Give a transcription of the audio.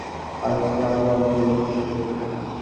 আজ রাতে বাচ্চাদের মতো ঘুমাবে তুমি।